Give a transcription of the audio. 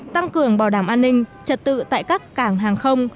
tăng cường bảo đảm an ninh trật tự tại các cảng hàng không